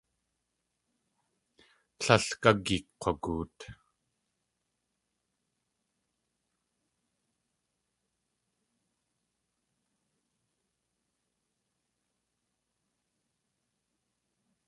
Tlél gági kg̲wagoot.